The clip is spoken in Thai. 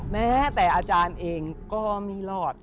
แม้แต่อาจารย์เองก็ไม่รอด